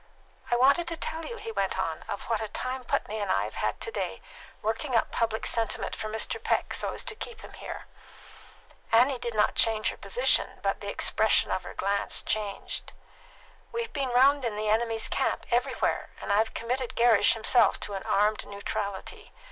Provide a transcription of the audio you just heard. "I wanted to tell you," he went on, "of what a time Putney and I have had to day working up public sentiment for Mr. Peck, so as to keep him here." Annie did not change her position, but the expression of her glance changed. "We've been round in the enemy's camp, everywhere; and I've committed Gerrish himself to an armed neutrality.